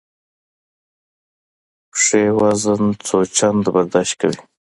پښې وزن څو چنده برداشت کوي.